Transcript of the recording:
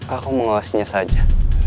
aku mengawasinya saja